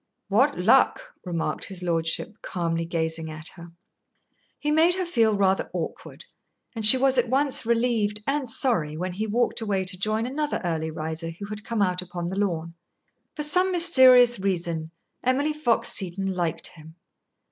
"What luck!" remarked his lordship, calmly gazing at her. He made her feel rather awkward, and she was at once relieved and sorry when he walked away to join another early riser who had come out upon the lawn. For some mysterious reason Emily Fox Seton liked him.